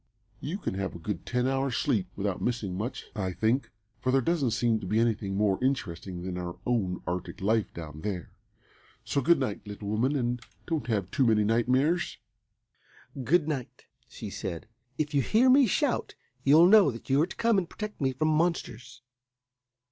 You can have a good ten hours' sleep without missing much, I think, for there doesn't seem to be anything more interesting than our own Arctic life down there. So good night, little woman, and don't have too many nightmares." "Good night!" she said; "if you hear me shout you'll know that you're to come and protect me from monsters.